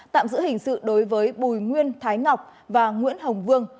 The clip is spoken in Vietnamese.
tạm giữ hình sự đối với bùi nguyên thái ngọc và nguyễn hồng vương